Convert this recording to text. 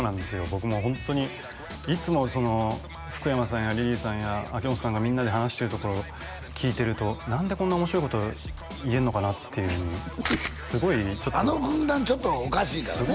僕もうホントにいつも福山さんやリリーさんや秋元さんがみんなで話しているところを聞いてると何でこんな面白いことを言えるのかなっていうすごいあの軍団ちょっとおかしいからね